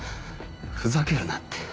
ふざけるなって。